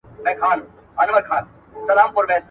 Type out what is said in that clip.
ستا تر سترګو بـد ايسو